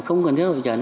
không cần thiết hội trần